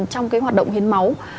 trong cái hoạt động hiến máu